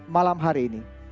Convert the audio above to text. malam hari ini